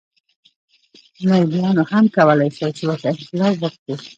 لېلیانو هم کولای شول چې ورته انقلاب وکړي.